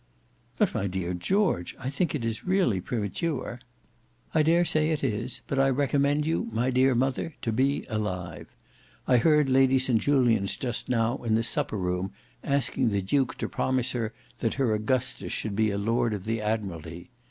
"But my dear George, I think it is really premature—" "I dare say it is; but I recommend you, my dear mother, to be alive. I heard Lady St Julians just now in the supper room asking the Duke to promise her that her Augustus should be a Lord of the Admiralty.